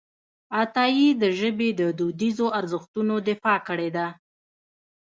عطایي د ژبې د دودیزو ارزښتونو دفاع کړې ده.